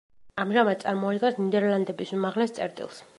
ამჟამად წარმოადგენს ნიდერლანდების უმაღლეს წერტილს.